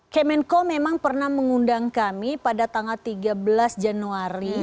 kemenko memang pernah mengundang kami pada tanggal tiga belas januari